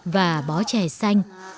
và bó chè rượu